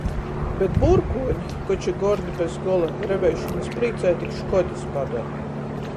Bet būrkuoni, koč i gordi bez gola, reviešonys prīcai tik škodis padora.